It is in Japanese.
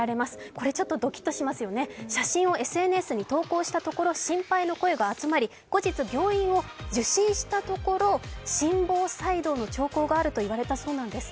これちょっとドキッとしますよね、写真をＳＮＳに投稿したところ心配の声が集まり後日、病院を受診したところ、心房細動の兆候があると言われたそうなんです。